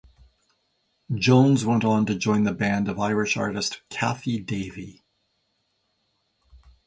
Jones went on to join the band of Irish artist Cathy Davey.